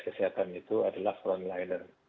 kesehatan itu adalah frontliner